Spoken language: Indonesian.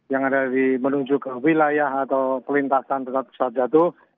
yang ada di menunjuk ke wilayah atau ke lintasan pesawat jatuh